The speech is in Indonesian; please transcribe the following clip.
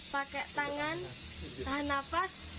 pakai tangan tahan nafas